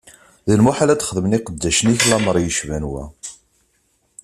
D lmuḥal ad xedmen iqeddacen-ik lameṛ yecban wa!